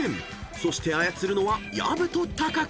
［そして操るのは薮と木］